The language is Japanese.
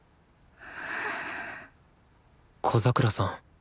小桜さん